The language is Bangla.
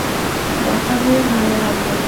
দেখা হয়ে ভালো লাগল।